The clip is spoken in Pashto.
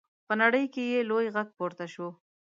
په نړۍ کې یې لوی غږ پورته شو.